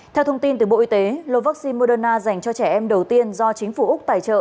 theo thông tin từ bộ y tế lô vaccine moderna dành cho trẻ em đầu tiên do chính phủ úc tài trợ